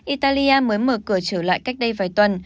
italia mới mở cửa trở lại cách đây vài tuần